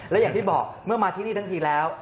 และอย่างที่บอกเมื่อมาที่นี่ทั้งทีแล้ว